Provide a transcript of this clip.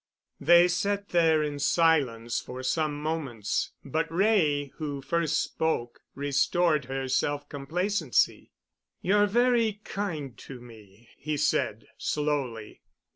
They sat there in silence for some moments, but Wray, who first spoke, restored her self complacency. "You're very kind to me," he said slowly.